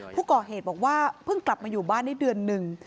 ผู้ก่อเหตุบอกว่าเพิ่งกลับมาอยู่บ้านได้เดือนหนึ่ง